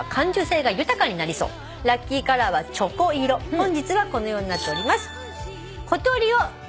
本日はこのようになっております。